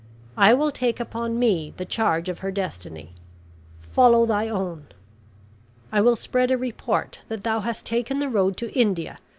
I will take upon me the charge of her destiny; follow thy own. I will spread a report that thou hast taken the road to India.